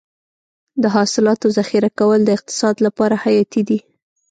د حاصلاتو ذخیره کول د اقتصاد لپاره حیاتي دي.